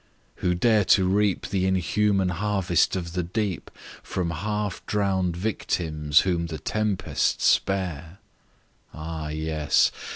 who dare to reap The inhuman harvest of the deep, From half drown'd victims whom the tempests spare? Ah, yes!